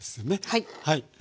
はい。